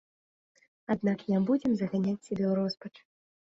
Аднак не будзем заганяць сябе ў роспач.